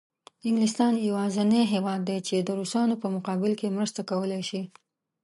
انګلستان یوازینی هېواد دی چې د روسانو په مقابل کې مرسته کولای شي.